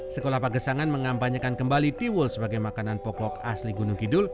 sekolah pagesangan mengampanyakan kembali tiwul sebagai makanan pokok asli gunung kidul